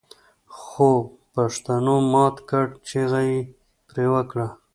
خوپښتنو مات کړ چيغه يې پرې وکړه